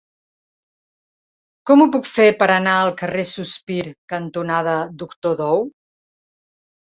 Com ho puc fer per anar al carrer Sospir cantonada Doctor Dou?